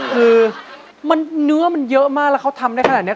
คือเนื้อมันเยอะมากแล้วเขาทำได้ขนาดนี้